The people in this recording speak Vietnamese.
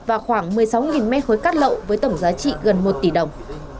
và khoảng một mươi sáu mét khối cát lậu với tổng giá trị gần một tỷ đồng